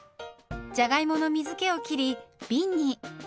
じゃがいもの水けを切りびんに。